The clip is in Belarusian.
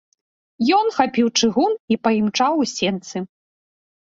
Ён хапіў чыгун і паімчаў у сенцы.